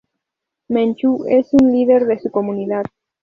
Menchú es un líder de su comunidad.